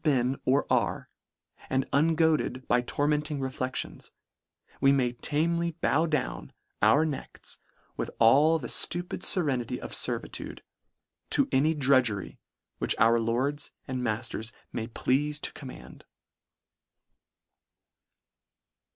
99 been or are, and ungoaded by tormenting reflections, we may tamely bow down our necks with all the ftupid ferenity of fervitude, to any drudgery, which our lords and ma ilers may pleafe to command.